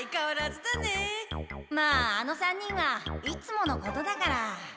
まああの３人はいつものことだから。